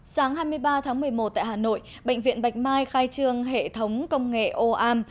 sáng hai mươi ba tháng một mươi một tại hà nội bệnh viện bạch mai khai trương hệ thống công nghệ oam